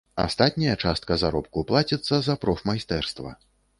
Астатняя частка заробку плаціцца за прафмайстэрства.